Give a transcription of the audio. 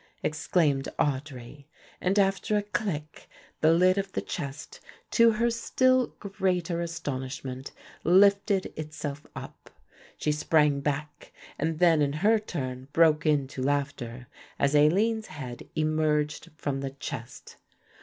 exclaimed Audry, and after a click the lid of the chest, to her still greater astonishment, lifted itself up. She sprang back and then in her turn broke into laughter, as Aline's head emerged from the chest.